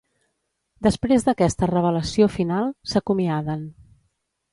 Després d'aquesta revelació final s'acomiaden.